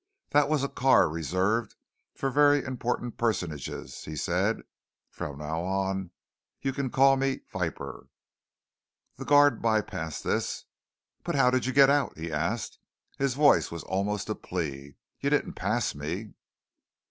"That was a car reserved for very important personages," he said. "From now on you can call me Viper." The guard by passed this. "But how did you get out?" he asked. His voice was almost a plea. "You didn't pass me."